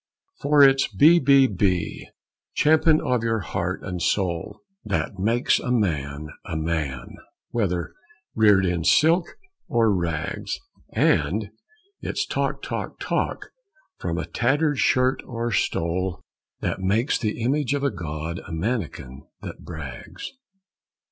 For it's be, be, be, champion of your heart and soul, That makes a man a man, whether reared in silk or rags; And it's talk, talk, talk, from a tattered shirt or stole, That makes the image of a god a manikin that brags.